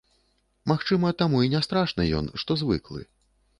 Магчыма, таму і не страшны ён, што звыклы.